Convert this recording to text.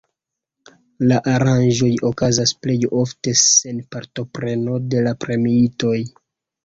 La aranĝoj okazas plej ofte sen partopreno de la premiitoj.